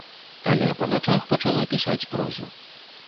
Але па начах пачала пісаць прозу.